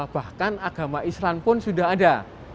bahkan agama islam pun sudah ada